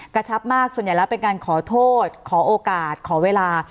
ชับมากส่วนใหญ่แล้วเป็นการขอโทษขอโอกาสขอเวลา